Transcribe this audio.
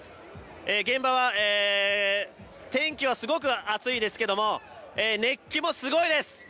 現場は天気はすごく暑いですけれども、熱気もすごいです。